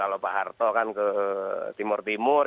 kalau pak harto kan ke timur timur